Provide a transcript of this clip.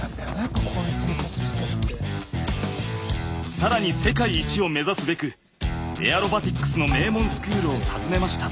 更に世界一を目指すべくエアロバティックスの名門スクールを訪ねました。